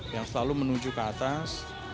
yang selalu menuju ke atas